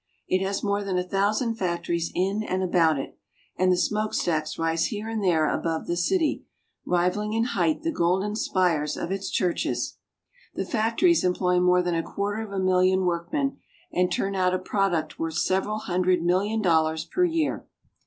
It has more than a thousand factories in and MOSCOW. 341 about it, and the smokestacks rise here and there above the city, rivaling in height the golden spires of its churches. The factories employ more than a quarter of a million work men, and turn out a product worth several hundred million dollars per year.